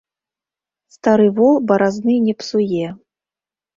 Стары вол баразны не псуе.